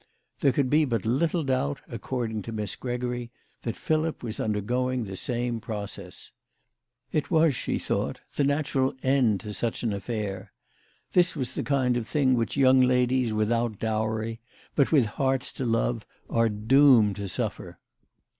There could be but little doubt, according to Miss Gregory, that Philip was undergoing the same process. It was, she thought, the natural end to such an affair. This was the kind of thing which young ladies without dowry, but with hearts to love, are doomed to suffer.